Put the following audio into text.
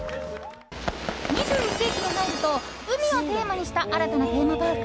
２１世紀に入ると海をテーマにした新たなテーマパーク